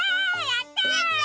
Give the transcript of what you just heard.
やった！